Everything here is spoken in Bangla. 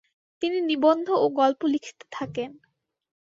তিনি নিবন্ধ ও গল্প লিখতে থাকেন।